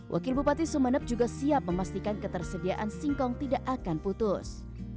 wakil bupati sumeneb juga siap memastikan ketersediaan singkong tidak akan putus